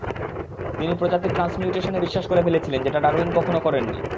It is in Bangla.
তিনি প্রজাতির ট্রান্সমিউটেশনে বিশ্বাস করে ফেলেছিলেন যেটা ডারউইন কখনো করেননি।